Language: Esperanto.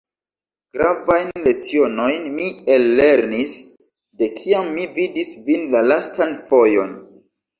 Gravajn lecionojn mi ellernis, de kiam mi vidis vin la lastan fojon.